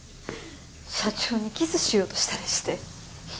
社長にキスしようとしたりして。